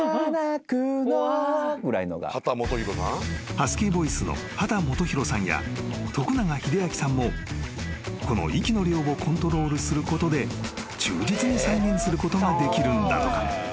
［ハスキーボイスの秦基博さんや永明さんもこの息の量をコントロールすることで忠実に再現することができるんだとか］